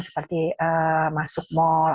seperti masuk mal